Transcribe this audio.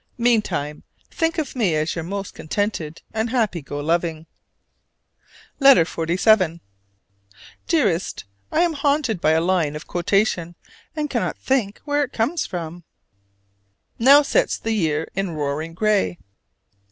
Meantime, think of me as your most contented and happy go loving. LETTER XLVII. Dearest: I am haunted by a line of quotation, and cannot think where it comes from: "Now sets the year in roaring gray."